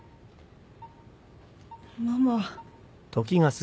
ママ。